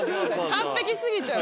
完璧過ぎちゃう。